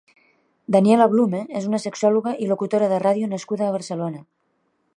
Daniela Blume és una sexòloga i locutora de ràdio nascuda a Barcelona.